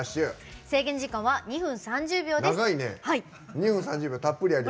制限時間は２分３０秒です。